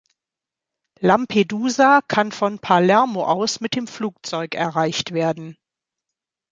Lampedusa kann von Palermo aus mit dem Flugzeug erreicht werden.